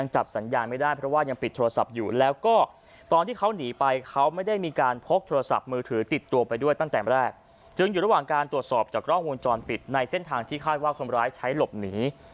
จากกล้องมูลจอดปิดในเส้นทางที่ค่าว่าคนร้ายใช้หลบหนี